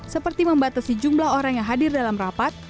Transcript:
seperti membatasi jumlah orang yang hadir dalam rapat